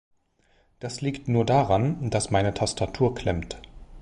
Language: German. Das liegt nur daran, dass meine Tastatur klemmt.